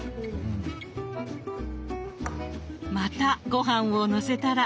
またごはんをのせたら。